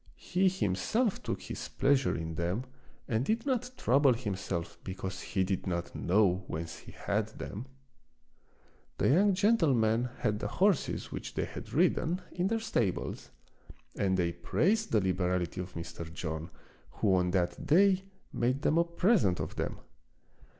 He him self took his pleasure in them and did not trouble himself because he did not know whence he had them. The young gentlemen had the horses which they had ridden in their stables, and they praised the liberality of Mr. John, who on that day made them a present of them.